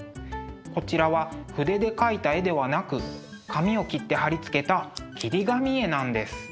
こちらは筆で描いた絵ではなく紙を切って貼り付けた切り紙絵なんです。